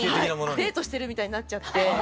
デートしてるみたいになっちゃって。